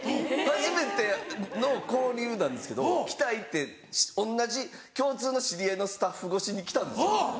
初めての交流なんですけど来たいって同じ共通の知り合いのスタッフ越しに来たんですよ。